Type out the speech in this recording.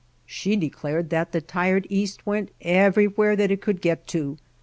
She declared that the tired east went everywhere that it could get to.